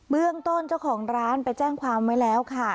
เรื่องต้นเจ้าของร้านไปแจ้งความไว้แล้วค่ะ